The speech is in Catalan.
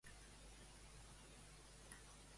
On hi havia un oracle en honor Zeus?